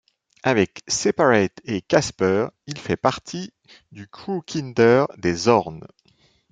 Avec Separate et Casper, il fait partie du crew Kinder des Zorns.